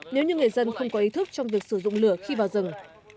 nếu như người dân không có ý thức trong việc sử dụng lửa khi vào rừng